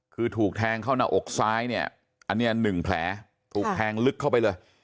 คือถูกแทงเข้าหน้าอกซ้ายเนี่ยอันนี้๑แผลถูกแทงลึกเข้าไปเลย